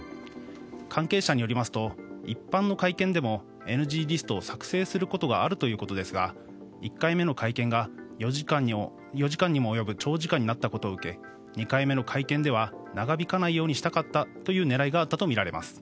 関係者によりますと一般の会見でもＮＧリストを作成することがあるということですが１回目の会見が４時間にも及ぶ長時間になったことを受けて２回目の会見では長引かないようにしたかったという狙いがあったとみられます。